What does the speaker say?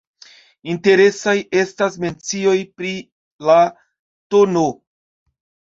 Interesaj estas mencioj pri la tn.